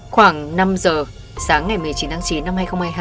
khoảng năm giờ sáng ngày một mươi chín tháng chín năm hai nghìn hai mươi hai